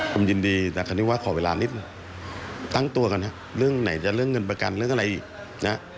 ผมยินดีแต่คราวนี้ว่าขอเวลานิดนึงตั้งตัวก่อนนะเรื่องไหนจะเรื่องเงินประกันเรื่องอะไรอีกนะ